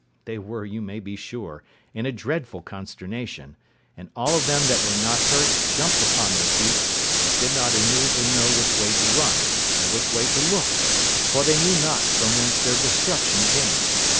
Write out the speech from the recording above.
They were, you may be sure, in a dreadful consternation: and all of them that were not hurt jumped upon their feet, but did not immediately know which way to run, or which way to look, for they knew not from whence their destruction came.